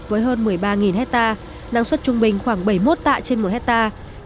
với hơn một mươi ba hectare năng suất trung bình khoảng bảy mươi một tạ trên một hectare